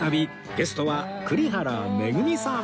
ゲストは栗原恵さん。